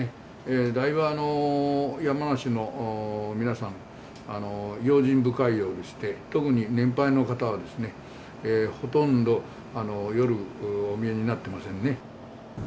だいぶ山梨の皆さん、用心深いようでして、特に年配の方は、ほとんど夜、お見えになってませんね。